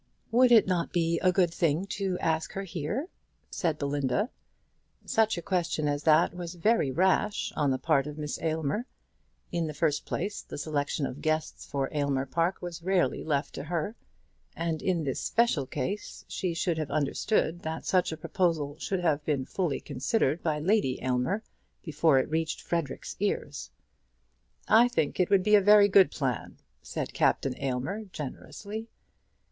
"Would it not be a good thing to ask her here?" said Belinda. Such a question as that was very rash on the part of Miss Aylmer. In the first place, the selection of guests for Aylmer Park was rarely left to her; and in this special case she should have understood that such a proposal should have been fully considered by Lady Aylmer before it reached Frederic's ears. "I think it would be a very good plan," said Captain Aylmer, generously.